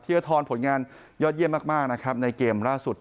ทียาธรผลงานยอดเยี่ยมมากมากนะครับในเกมล่าสุดที่